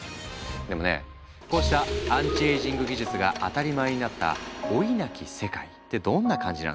でもねこうしたアンチエイジング技術が当たり前になった老いなき世界ってどんな感じなんだろう？